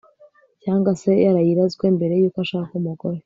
cyangwa se yarayirazwe mbere y'uko ashaka umugore